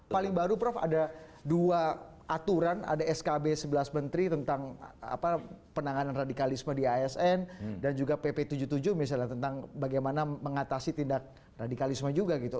paling baru prof ada dua aturan ada skb sebelas menteri tentang penanganan radikalisme di asn dan juga pp tujuh puluh tujuh misalnya tentang bagaimana mengatasi tindak radikalisme juga gitu